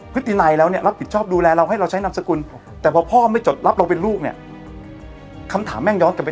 พระตินัยแล้วแล้วรับประชาปสนุนดูแรงเรา